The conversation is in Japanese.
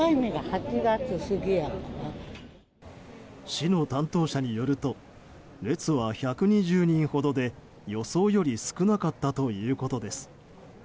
市の担当者によると列は１２０人ほどで予想より少なかったということです。